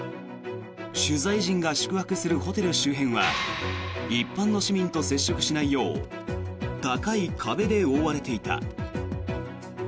取材陣が宿泊するホテル周辺は一般市民と接触しないよう高い壁で覆われていた。